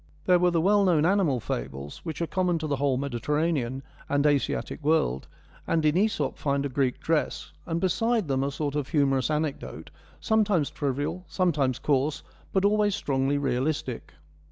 There were the well known animal fables which are common to the whole Mediterranean and Asiatic world, and in Msop find a Greek dress, and beside them a sort of humorous anecdote, sometimes trivial, sometimes coarse, but always strongly realistic.